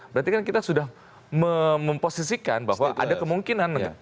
berarti kan kita sudah memposisikan bahwa ada kemungkinan